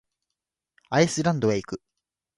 アイスランドへ行く。